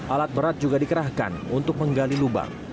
alat berat juga dikerahkan untuk menggali lubang